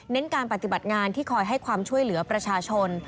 การปฏิบัติงานที่คอยให้ความช่วยเหลือประชาชน